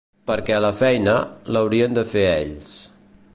Perquè la feina, l’haurien de fer ells.